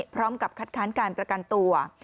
พร้อมกับคัดค้านการประกันตัว